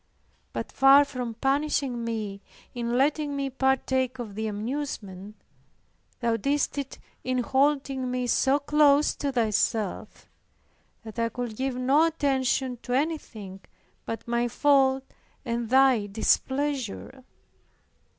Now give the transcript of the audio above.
But far from punishing me in letting me partake of the amusement, Thou didst it in holding me so close to Thyself, that I could give no attention to anything but my fault and Thy displeasure.